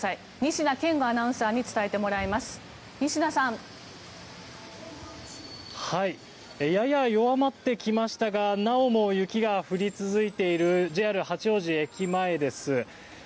仁科健吾アナウンサーに伝えてもらいます、仁科さん。やや弱まってきましたがなおも雪が降り続いているＪＲ八王子駅前です。